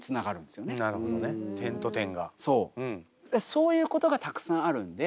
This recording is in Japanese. そういうことがたくさんあるんで